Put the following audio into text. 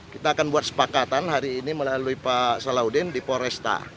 kita akan buat sepakatan hari ini melalui pak salahuddin di poresta